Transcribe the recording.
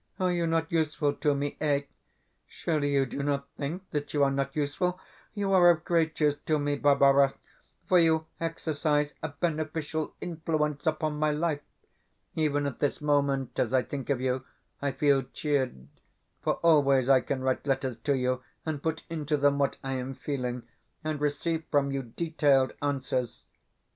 Are you not useful to me? Eh? Surely you do not think that you are not useful? You are of great use to me, Barbara, for you exercise a beneficial influence upon my life. Even at this moment, as I think of you, I feel cheered, for always I can write letters to you, and put into them what I am feeling, and receive from you detailed answers....